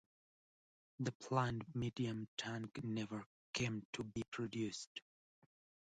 The planned medium tank never came to be produced.